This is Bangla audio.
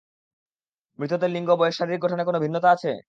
মৃতদের লিঙ্গ, বয়স, শারীরিক গঠনে কোনও ভিন্নতা আছে?